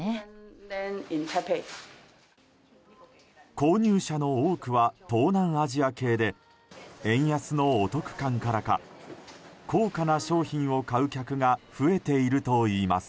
購入者の多くは東南アジア系で円安のお得感からか高価な商品を買う客が増えているといいます。